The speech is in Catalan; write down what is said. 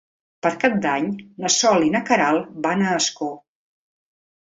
Per Cap d'Any na Sol i na Queralt van a Ascó.